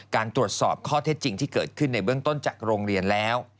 การตรวจสอบข้อเท็จจริงที่เกิดขึ้นในเบื้องต้นจากโรงเรียนแล้ว